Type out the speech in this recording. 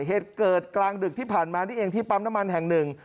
เหตุเกิดกลางดึกที่ผ่านมานี่เองที่ปั๊มน้ำมันแห่งหนึ่ง